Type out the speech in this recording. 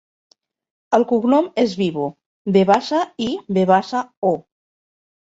El cognom és Vivo: ve baixa, i, ve baixa, o.